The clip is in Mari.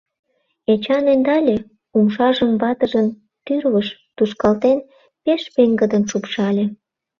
Эчан ӧндале, умшажым ватыжын тӱрвыш тушкалтен, пеш пеҥгыдын шупшале.